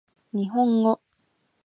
日本語